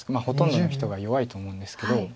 ほとんどの人が弱いと思うんですけど。